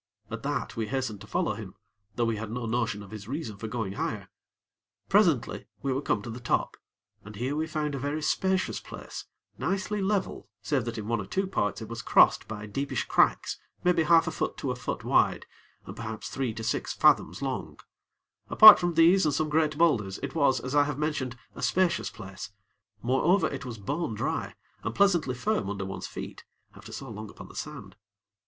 At that, we hastened to follow him; though we had no notion of his reason for going higher. Presently, we were come to the top, and here we found a very spacious place, nicely level save that in one or two parts it was crossed by deepish cracks, maybe half a foot to a foot wide, and perhaps three to six fathoms long; but, apart from these and some great boulders, it was, as I have mentioned, a spacious place; moreover it was bone dry and pleasantly firm under one's feet, after so long upon the sand.